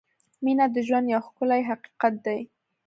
• مینه د ژوند یو ښکلی حقیقت دی.